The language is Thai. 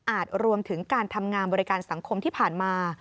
รวมถึงการทำงานบริการสังคมที่ผ่านมา